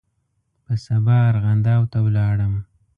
په سبا ارغنداو ته ولاړم.